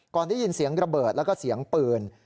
ได้ยินเสียงระเบิดแล้วก็เสียงปืน